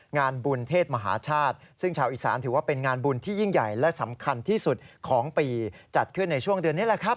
งานบุญเทศมหาชาติซึ่งชาวอีสานถือว่าเป็นงานบุญที่ยิ่งใหญ่และสำคัญที่สุดของปีจัดขึ้นในช่วงเดือนนี้แหละครับ